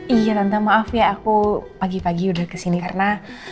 iya tante maaf ya aku pagi pagi udah kesini karena